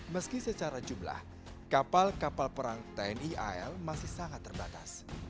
meski secara jumlah kapal kapal perang tni al masih sangat terbatas